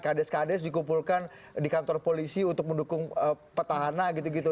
kades kades dikumpulkan di kantor polisi untuk mendukung petahana gitu gitu